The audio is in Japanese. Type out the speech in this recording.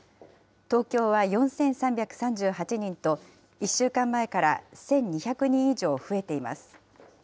東京は４３３８人と、１週間前から１２００人以上増えています。